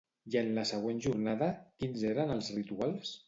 I en la següent jornada, quins eren els rituals?